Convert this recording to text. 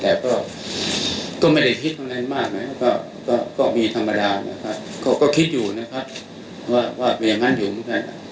แต่ก็ไม่ได้คิดอะไรมากนะครับก็มีธรรมดานะครับก็คิดอยู่นะครับว่าเป็นอย่างนั้นอยู่เหมือนกัน